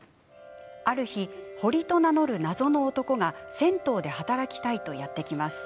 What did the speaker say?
ある日、堀と名乗る謎の男が銭湯で働きたいとやって来ます。